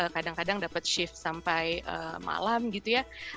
kadang kadang dapat shift sampai malam gitu ya